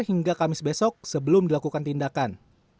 hingga kamis besok sebelum dilakukan tindakan